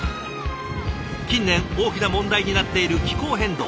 近年大きな問題になっている気候変動。